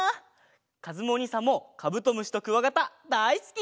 かずむおにいさんもカブトムシとクワガタだいすき！